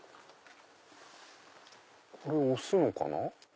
これ押すのかな？